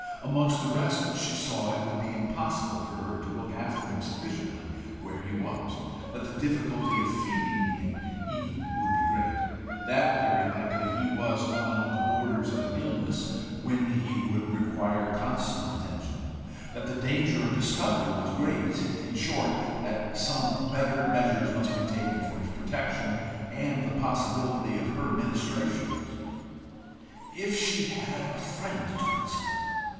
Amongst the rest she saw it would be impossible for her to look after him sufficiently where he was, that the difficulty of feeding him even would be great, that very likely he was on the borders of an illness, when he would require constant attention, that the danger of discovery was great in short, that some better measures must be taken for his protection and the possibility of her ministrations. If she had but a friend to consult!